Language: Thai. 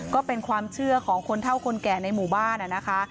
ก็เป็นความเชื่อของคนเท่าคนแก่ในหมู่บ้านนะคะ